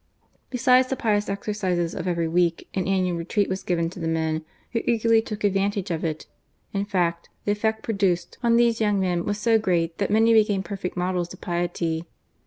Besides the pious exercises of every week, an annual retreat was given THE CLERGY, THE ARMY, AND THE MAGISTRACY. 225 to the men, who eagerly took advantage of it. In fact, the effect produced on these young men was so great that many became perfect models of piety.